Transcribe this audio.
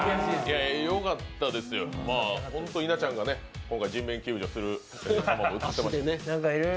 よかったですよ、本当、稲ちゃんが今回人命救助する様も映ってました。